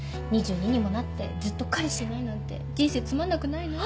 ２２にもなってずっと彼氏いないなんて人生つまんなくないの？